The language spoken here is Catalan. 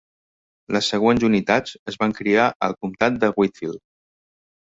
Les següents unitats es van criar al comtat de Whitfield.